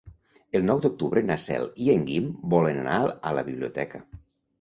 El nou d'octubre na Cel i en Guim volen anar a la biblioteca.